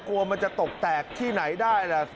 กลัวมันจะตกแตกที่ไหนได้ล่ะ